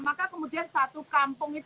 maka kemudian satu kampung itu